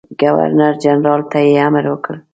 ګورنرجنرال ته یې امر وکړ.